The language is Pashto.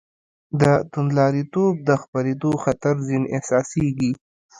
د توندلاریتوب د خپرېدو خطر ځنې احساسېږي.